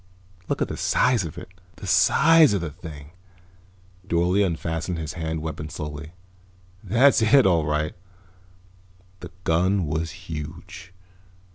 "Look at the size of it. The size of the thing." Dorle unfastened his hand weapon slowly. "That's it, all right." The gun was huge.